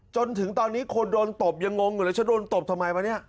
จนถึงตอนนี้คนโดนตบยังงงอยู่เลยฉันโดนตบทำไมวะเนี่ย